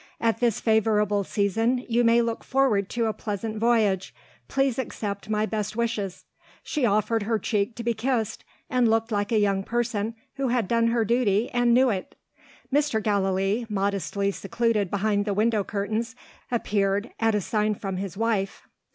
At this favourable season you may look forward to a pleasant voyage. Please accept my best wishes." She offered her cheek to be kissed and looked like a young person who had done her duty, and knew it. Mr. Gallilee modestly secluded behind the window curtains appeared, at a sign from his wife.